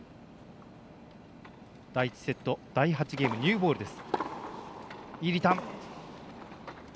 第１セット、第８ゲームニューボールです。